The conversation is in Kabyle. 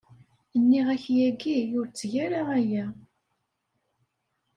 Nniɣ-ak yagi ur tteg ara aya.